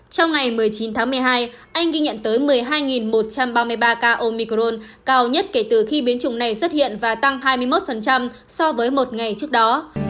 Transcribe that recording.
trong ngày một mươi chín tháng một mươi hai anh ghi nhận tới một mươi hai một trăm ba mươi ba ca omicron cao nhất kể từ khi biến chủng này xuất hiện và tăng hai mươi một so với một ngày trước đó